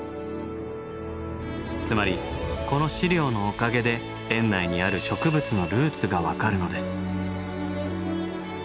つまりこの資料のおかげで園内にある植物のルーツが分かるのです。